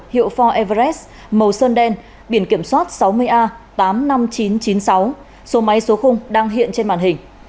hiệu for everest màu sơn đen biển kiểm soát sáu mươi a tám mươi năm nghìn chín trăm chín mươi sáu số máy số đang hiện trên màn hình